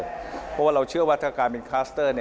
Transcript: เพราะว่าเราเชื่อว่าถ้าการเป็นคลัสเตอร์